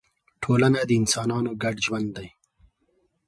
ټولنه د انسانانو ګډ ژوند دی.